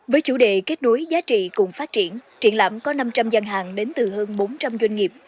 với chủ đề kết đối giá trị cùng phát triển triển lãm có năm trăm linh gian hàng đến từ hơn bốn trăm linh doanh nghiệp